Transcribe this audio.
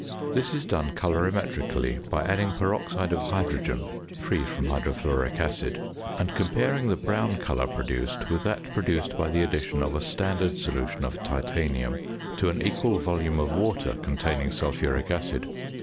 This is done colorimetrically, by adding peroxide of hydrogen free from hydrofluoric acid, and comparing the brown colour produced with that produced by the addition of a standard solution of titanium to an equal volume of water containing sulphuric acid.